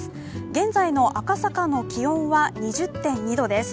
現在の赤坂の気温は２０．２度です。